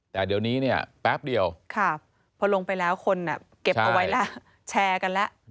แต่เดี๋ยวนี้เนี่ยแป๊บเดียวพอลงไปแล้วคนเก็บเอาไว้แล้วแชร์กันแล้ว